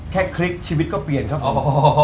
คลิกชีวิตก็เปลี่ยนครับ